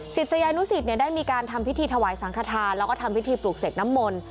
ศิษยานุสิตได้มีการทำพิธีถวายสังขทานแล้วก็ทำพิธีปลูกเสกน้ำมนต์